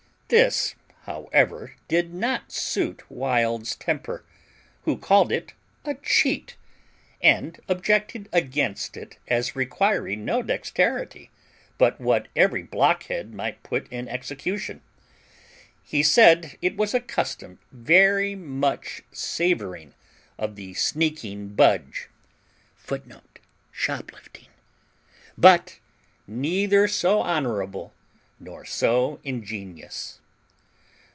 This, however, did not suit Wild's temper, who called it a cheat, and objected against it as requiring no dexterity, but what every blockhead might put in execution. He said it was a custom very much savouring of the sneaking budge, [Footnote: Shoplifting] but neither so honourable nor so ingenious.